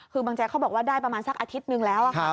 คือบางแจ๊กเขาบอกว่าได้ประมาณสักอาทิตย์หนึ่งแล้ว